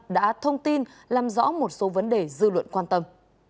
đã thông tin làm rõ một số vấn đề dư luận quan tâm